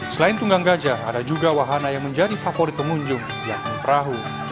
selain tunggang gajah ada juga wahana yang menjadi favorit pengunjung yakni perahu